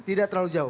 tidak terlalu jauh